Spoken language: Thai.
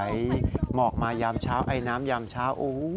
หมอกมายามเช้าไอน้ำยามเช้า